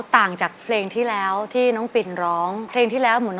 ตั้งใจต้องร้าน